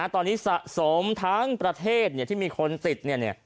ตอนนี้สะสมทั้งประเทศที่มีคนติด